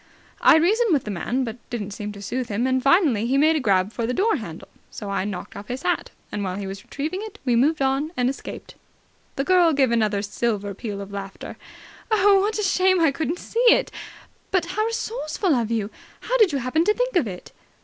"I reasoned with the man, but didn't seem to soothe him, and finally he made a grab for the door handle, so I knocked off his hat, and while he was retrieving it we moved on and escaped." The girl gave another silver peal of laughter. "Oh, what a shame I couldn't see it. But how resourceful of you! How did you happen to think of it?"